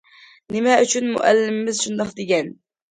- نېمە ئۈچۈن؟- مۇئەللىمىمىز شۇنداق دېگەن.